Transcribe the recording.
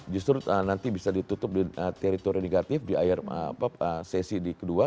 justru nanti bisa ditutup di teritori negatif di air sesi kedua